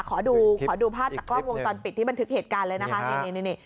ขอดูขอดูภาพจากกล้องวงจรปิดที่บันทึกเหตุการณ์เลยนะคะนี่นี่